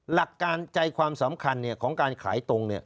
หลักการใจความสำคัญของการขายตรง